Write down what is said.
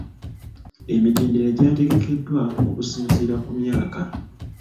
Emitendera gyategekeddwa okusinziira ku myaka.